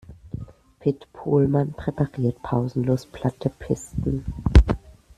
Pit Pohlmann präpariert pausenlos platte Pisten.